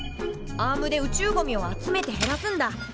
アームで宇宙ゴミを集めて減らすんだ。